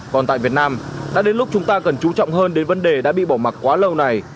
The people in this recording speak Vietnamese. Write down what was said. còn tại việt nam đã đến lúc chúng ta cần chú trọng hơn đến vấn đề đã bị bỏ mặt quá lâu này